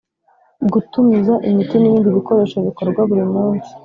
Gutumiza imiti n ‘ibindi bikoresho bikorwa buri munsi.